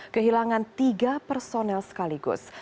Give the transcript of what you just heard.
kehilangan tiga personel sekaligus